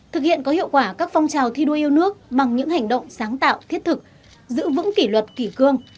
thực hiện có hiệu quả các phong trào thi đua yêu nước bằng những hành động sáng tạo thiết thực giữ vững kỷ luật kỷ cương